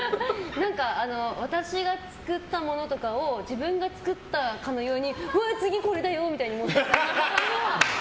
私が作ったものとかを自分が作ったかのようにうわ、次これだよ！って持っていく。